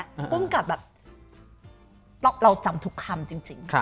กลุ้มกับเราจำทุกคำจริง